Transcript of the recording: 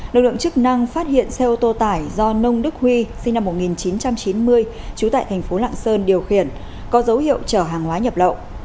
lực lượng chức năng phát hiện xe ô tô tải do nông đức huy sinh năm một nghìn chín trăm chín mươi trú tại thành phố lạng sơn điều khiển có dấu hiệu chở hàng hóa nhập lậu